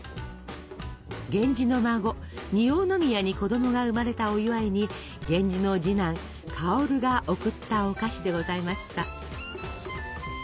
源氏の孫匂宮に子供が生まれたお祝いに源氏の次男薫が贈ったお菓子でございました。